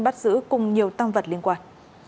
bắt giữ cùng nhiều tăng vật liên quan